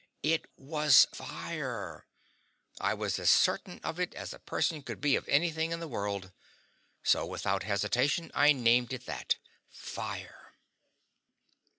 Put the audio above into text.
It was FIRE! I was as certain of it as a person could be of anything in the world. So without hesitation I named it that fire.